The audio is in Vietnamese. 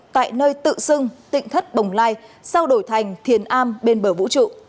tại nơi tự sưng tịnh thất bồng lai sao đổi thành thiền am bên bờ vũ trụ